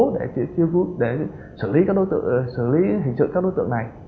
để xử lý hình trực các đối tượng này